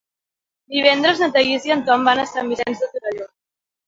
Divendres na Thaís i en Tom van a Sant Vicenç de Torelló.